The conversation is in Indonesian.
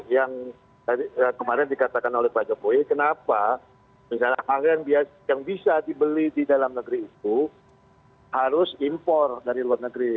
yang kemarin dikatakan oleh pak jokowi kenapa misalnya harga yang bisa dibeli di dalam negeri itu harus impor dari luar negeri